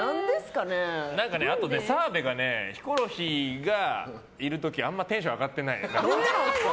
あと澤部がヒコロヒーがいる時あまりテンションが上がってない。